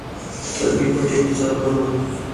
سترګې پټې په څرمنو